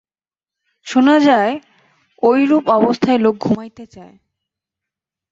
শুনা যায়, ঐরূপ অবস্থায় লোক ঘুমাইতে চায়।